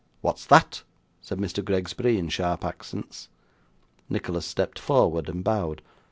'What's that?' said Mr. Gregsbury, in sharp accents. Nicholas stepped forward, and bowed.